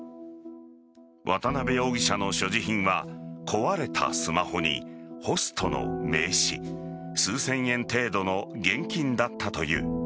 渡辺容疑者の所持品は壊れたスマホにホストの名刺数千円程度の現金だったという。